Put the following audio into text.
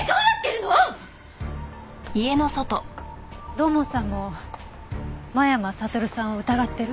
土門さんも間山悟さんを疑ってる？